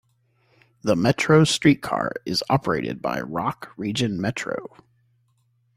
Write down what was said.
The Metro Streetcar is operated by Rock Region Metro.